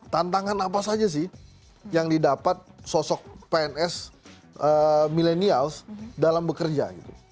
tantangan apa saja sih yang didapat sosok pns milenials dalam bekerja